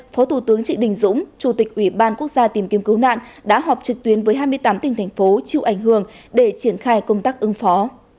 phó thủ tướng trị đình dũng chủ tịch ủy ban quốc gia tìm kiếm cứu nạn đã họp trực tuyến với hai mươi tám tỉnh thành phố chịu ảnh hưởng để triển khai công tác ứng phó